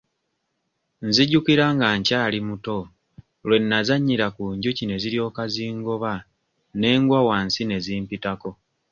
Nzijukira nga nkyali muto lwe nazannyira ku njuki ne ziryoka zingoba ne ngwa wansi ne zimpitako.